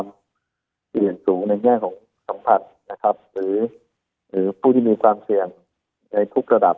เปลี่ยนสูงในแง่ของสัมผัสนะครับหรือผู้ที่มีความเสี่ยงในทุกระดับ